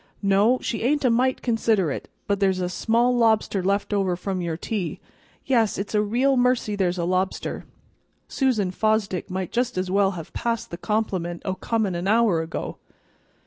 "No, she ain't a mite considerate, but there's a small lobster left over from your tea; yes, it's a real mercy there's a lobster. Susan Fosdick might just as well have passed the compliment o' comin' an hour ago."